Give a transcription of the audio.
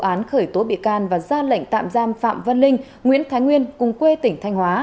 án khởi tố bị can và ra lệnh tạm giam phạm văn linh nguyễn thái nguyên cùng quê tỉnh thanh hóa